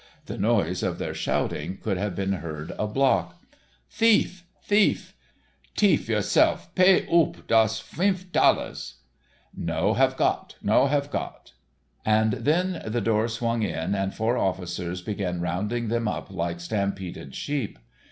The noise of their shouting could have been heard a block. "Thief, thief." "Teef yourselluf, pay oop dose finf thalers." "No have got, no have got." And then the door swung in and four officers began rounding them up like stampeded sheep.